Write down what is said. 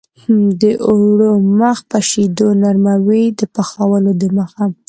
د اوړو مخ په شیدو نرموي د پخولو دمخه.